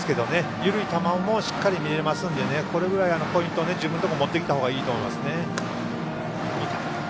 緩い球をしっかり見れますのでこれくらいポイントを自分のところに持ってきたほうがいいと思いますね。